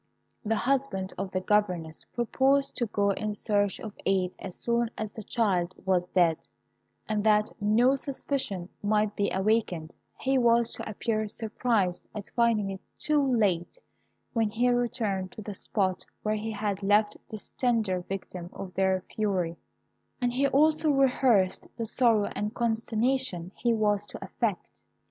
The husband of the governess proposed to go in search of aid as soon as the child was dead; and that no suspicion might be awakened, he was to appear surprised at finding it too late when he returned to the spot where he had left this tender victim of their fury, and he also rehearsed the sorrow and consternation he was to affect.